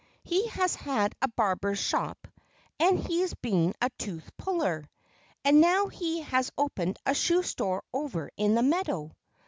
He has had a barber's shop; and he's been a tooth puller. And now he has opened a shoe store over in the meadow."